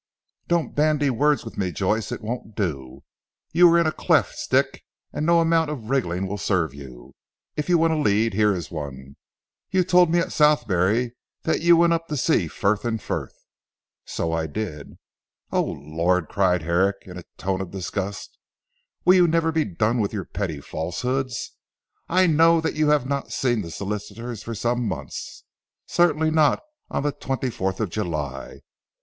"Don't bandy words with me Joyce. It won't do. You are in a cleft stick and no amount of wriggling will serve you. If you want a lead here is one. You told me at Southberry that you went up up see Frith and Frith." "So I did. " "Oh, Lord!" cried Herrick in a tone of disgust "will you never be done with your petty falsehoods. I know that you have not seen the solicitors for some months certainly not on the twenty fourth of July.